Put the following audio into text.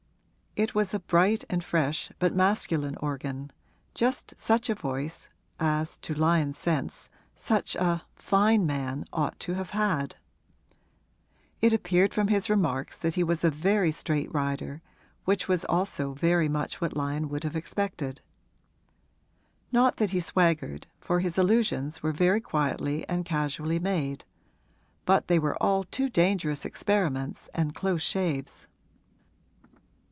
It was a bright and fresh but masculine organ, just such a voice as, to Lyon's sense, such a 'fine man' ought to have had. It appeared from his remarks that he was a very straight rider, which was also very much what Lyon would have expected. Not that he swaggered, for his allusions were very quietly and casually made; but they were all too dangerous experiments and close shaves.